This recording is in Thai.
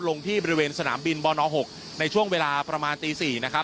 ลงที่บริเวณสนามบินบน๖ในช่วงเวลาประมาณตี๔นะครับ